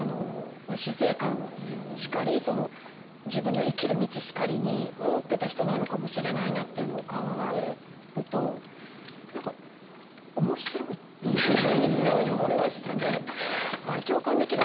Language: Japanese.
死生観しかり自分の生きる道しかりに持ってた人なのかもしれないなっていうのを考えると何かおもしろいっていうふうに素直に思いましたね。